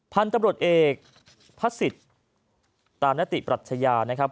พันธุ์ตำรวจเอกพัศจิตตามหน้าติปรัชญานะครับ